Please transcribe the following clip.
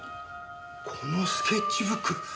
このスケッチブック。